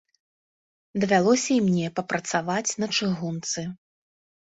Давялося і мне папрацаваць на чыгунцы.